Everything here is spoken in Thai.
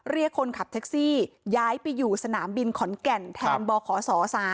เรียกคนขับแท็กซี่ย้ายไปอยู่สนามบินขอนแก่นแทนบขศ๓